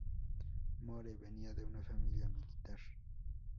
Moore venía de una familia militar.